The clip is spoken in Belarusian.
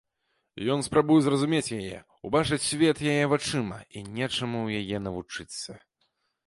Ён спрабуе зразумець яе, убачыць свет яе вачыма і нечаму ў яе навучыцца.